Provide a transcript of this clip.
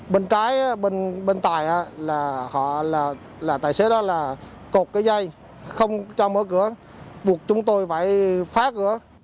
bên trái bên tài là tài xế đó là cột cái dây không cho mở cửa buộc chúng tôi phải phá cửa